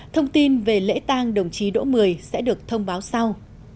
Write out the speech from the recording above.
thông tin về lễ tang đồng chí đỗ mười sẽ được thông báo sau